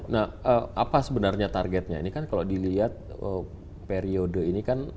nah apa sebenarnya targetnya ini kan kalau dilihat periode ini kan